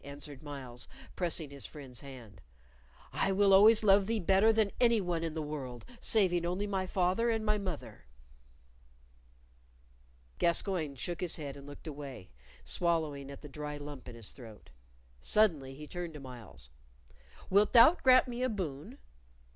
answered Myles, pressing his friend's hand. "I will always love thee better than any one in the world, saving only my father and my mother." Gascoyne shook his head and looked away, swallowing at the dry lump in his throat. Suddenly he turned to Myles. "Wilt thou grant me a boon?"